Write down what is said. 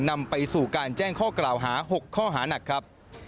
นำไปสู่การแจ้งข้อกล่าวหา๖ข้อหานักครับ